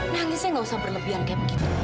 nangisnya gak usah berlebihan kayak begitu